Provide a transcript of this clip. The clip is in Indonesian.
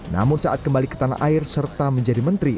namun saat kembali ke tanah air serta menjadi menteri